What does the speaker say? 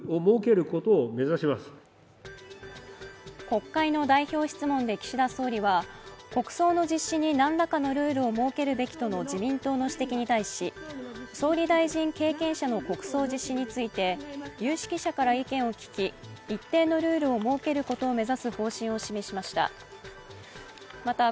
国会の代表質問で岸田総理は、国葬の実施に何らかのルールを設けるべきとの自民党の指摘に対し総理大臣経験者の国葬実施について有識者から意見を聞き、一定のルールを設けることを目指す方針を示しました。